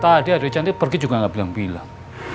tadi aduh cantik pergi juga gak bilang bilang